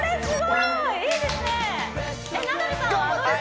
いいですねえっ